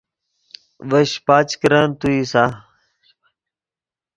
ڤے شیپچ کرن تو اِیسا